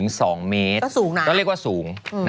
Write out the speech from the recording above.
ก็สูงนะก็เรียกว่าสูง